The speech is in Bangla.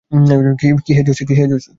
কিহে, যোশি!